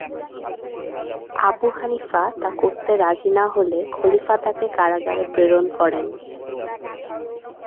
Abu Hanifa তা করতে রাজি না হলে খলিফা তাকে কারাগারে প্রেরণ করেন।